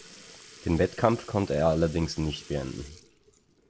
Den Wettkampf konnte er allerdings nicht beenden.